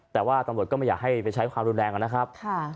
แต่ว่าตำรวจก็ไม่อยากให้ไปใช้ความรุนแรงนะครับ